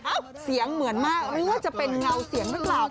เอ้ถึงเสียงเหมือนมากหรือว่าจะเป็นเงาเสียงเป็นต่อ